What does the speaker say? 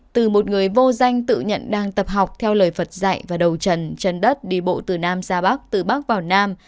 từ một người vô danh tự nhận đang tập học theo lời phật dạy và đầu trần chân đất đi bộ từ nam ra bắc từ bắc vào nam